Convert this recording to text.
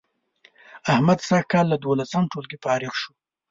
احمد سږ کال له دولسم ټولگي فارغ شو